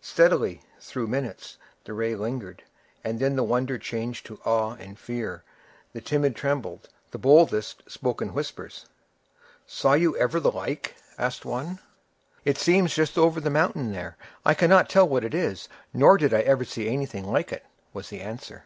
Steadily, through minutes, the ray lingered, and then the wonder changed to awe and fear; the timid trembled; the boldest spoke in whispers. "Saw you ever the like?" asked one. "It seems just over the mountain there. I cannot tell what it is, nor did I ever see anything like it," was the answer.